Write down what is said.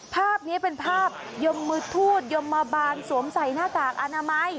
ภาพนี้เป็นภาพยมมือทูตยมมาบานสวมใส่หน้ากากอนามัย